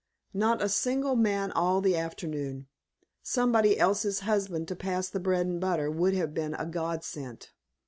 Not a single man all the afternoon. Somebody else's husband to pass the bread and butter would have been a godsend!"